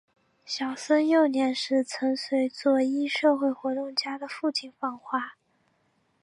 小森幼年时曾随左翼社会活动家的父亲访华。